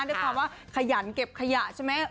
ด้วยความว่าขยันเก็บขยะใช่ไหม